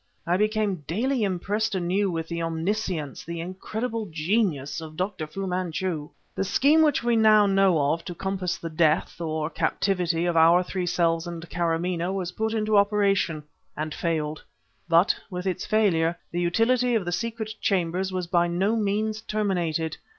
I became daily impressed anew with the omniscience, the incredible genius, of Dr. Fu Manchu. "The scheme which we know of to compass the death, or captivity, of our three selves and Kâramaneh was put into operation, and failed. But, with its failure, the utility of the secret chambers was by no means terminated.